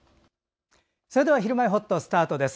それでは「ひるまえほっと」スタートです。